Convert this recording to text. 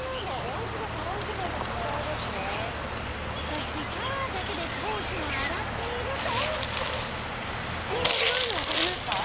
そしてシャワーだけで頭皮を洗っているとこの白いの分かりますか？